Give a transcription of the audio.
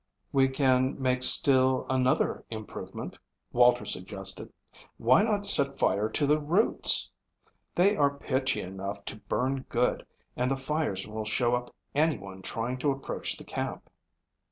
"We can make still another improvement," Walter suggested. "Why not set fire to the roots? They are pitchy enough to burn good and the fires will show up any one trying to approach the camp."